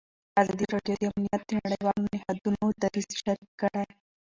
ازادي راډیو د امنیت د نړیوالو نهادونو دریځ شریک کړی.